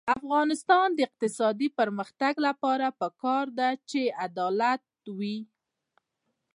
د افغانستان د اقتصادي پرمختګ لپاره پکار ده چې عدالت وي.